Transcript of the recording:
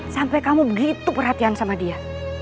sampai kamu begitu perhatian sama dia